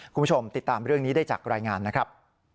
คุณผู้ชมติดตามเรื่องนี้ได้จากรายงานนะครับ